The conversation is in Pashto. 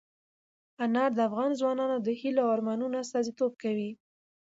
انار د افغان ځوانانو د هیلو او ارمانونو استازیتوب کوي.